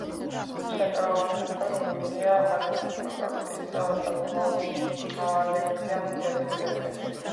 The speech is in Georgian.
შენიშვნები მიღებულია, კანონპროექტის საბოლოო რედაქცია გადაეცემა პრეზიდენტს.